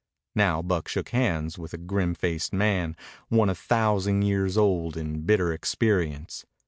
Now Buck shook hands with a grim faced man, one a thousand years old in bitter experience.